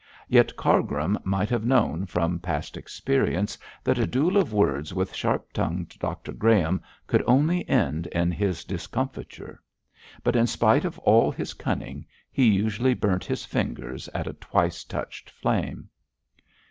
Yet Cargrim might have known, from past experience, that a duel of words with sharp tongued Dr Graham could only end in his discomfiture. But in spite of all his cunning he usually burnt his fingers at a twice touched flame.